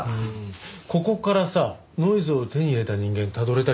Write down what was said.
ここからさノイズを手に入れた人間たどれたりする？